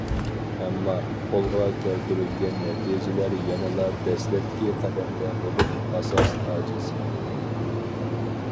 ئەمما، قولغا كەلتۈرۈلگەن نەتىجىلەر يەنىلا دەسلەپكى قەدەمدە بولۇپ، ئاساس ئاجىز.